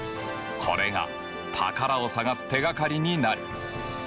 これが宝を探す手がかりになる！